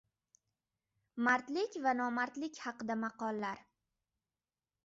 Mardlik va nomardlik haqida maqollar.